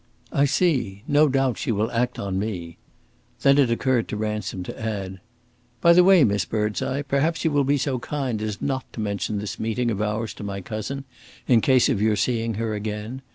"I see: no doubt she will act on me." Then it occurred to Ransom to add: "By the way, Miss Birdseye, perhaps you will be so kind as not to mention this meeting of ours to my cousin, in case of your seeing her again.